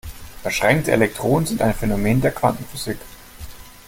Verschränkte Elektronen sind ein Phänomen der Quantenphysik.